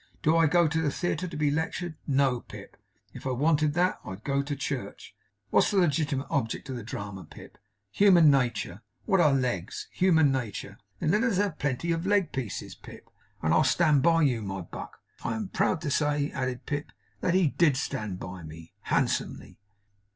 Do I go to the theatre to be lectured? No, Pip. If I wanted that, I'd go to church. What's the legitimate object of the drama, Pip? Human nature. What are legs? Human nature. Then let us have plenty of leg pieces, Pip, and I'll stand by you, my buck!" and I am proud to say,' added Pip, 'that he DID stand by me, handsomely.